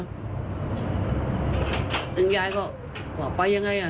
จึงยายก็พ่อไปยังไง